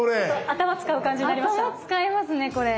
頭使いますねこれ。